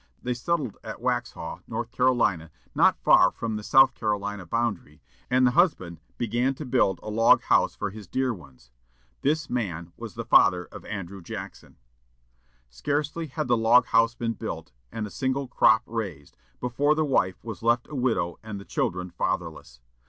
They settled at Waxhaw, North Carolina, not far from the South Carolina boundary, and the husband began to build a log house for his dear ones. This man was the father of Andrew Jackson. Scarcely had the log house been built, and a single crop raised, before the wife was left a widow and the children fatherless.